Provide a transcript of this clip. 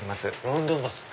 ロンドンバス！